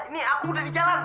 ini aku udah di jalan